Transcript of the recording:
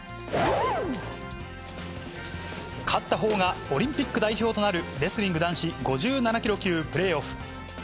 勝ったほうがオリンピック代表となる、レスリング男子５７キロ級プレーオフ。